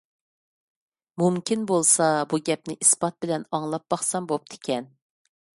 مۇمكىن بولسا، بۇ گەپنى ئىسپات بىلەن ئاڭلاپ باقسام بوپتىكەن.